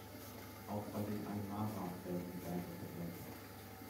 Auch bei den Aymara werden die Berge verehrt.